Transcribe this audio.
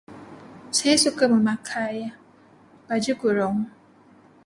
Saya suka memakai baju kurung.